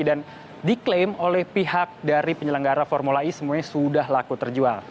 dan diklaim oleh pihak dari penyelenggara formula e semuanya sudah laku terjual